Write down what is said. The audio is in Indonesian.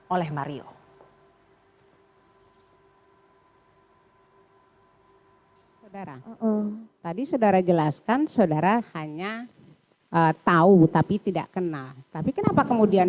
oleh mario hai saudara tadi saudara jelaskan saudara hanya tahu tapi tidak kenal tapi kenapa kemudian